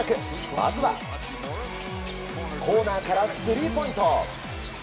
まずはコーナーからスリーポイント。